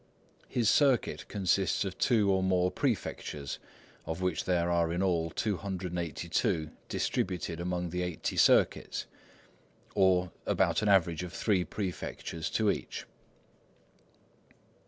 His circuit consists of 2 or more prefectures, of which there are in all 282 distributed among the 80 circuits, or about an average of 3 prefectures to each.